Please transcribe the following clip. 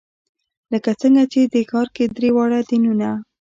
لکه څنګه چې دې ښار کې درې واړه دینونه.